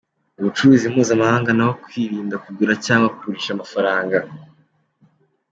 ubucuruzi mpuzamahanga nabo kwirinda kugura cyangwa kugurisha amafaranga